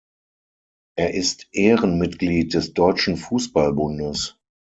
Er ist Ehrenmitglied des Deutschen Fußball-Bundes.